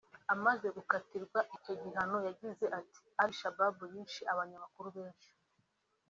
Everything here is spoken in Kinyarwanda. Amaze gukatirwa icyo gihano yagize ati "Al Shabaab yishe abanyamakuru benshi